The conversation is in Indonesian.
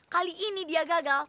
kali ini dia gagal